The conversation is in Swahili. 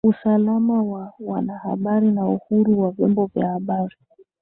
usalama wa wanahabari na uhuru wa vyombo vya habari